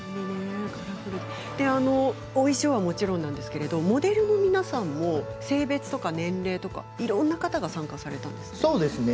お衣装はもちろんなんですけどもモデルの皆さんも性別とか年齢とかいろんな方が参加されたんですね。